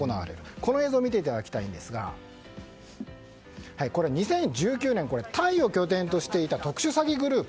この映像を見ていただきたいんですが２０１９年タイを拠点としていた特殊詐欺グループ。